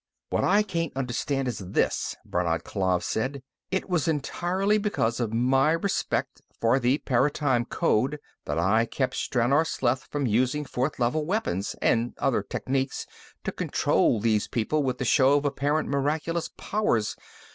"What I can't understand is this," Brannad Klav said. "It was entirely because of my respect for the Paratime Code that I kept Stranor Sleth from using Fourth Level weapons and other techniques to control these people with a show of apparent miraculous powers.